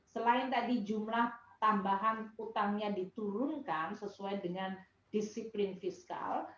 selain tadi jumlah tambahan utangnya diturunkan sesuai dengan disiplin fiskal